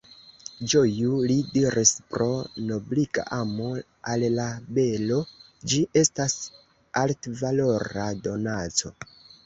Ĝoju, li diris, pro nobliga amo al la belo; ĝi estas altvalora donaco.